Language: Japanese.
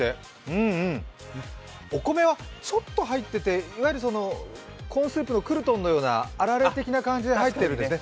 うんうん、お米はちょっと入っててコーンスープのクルトンみたいなあられ的な感じで入ってるんですね。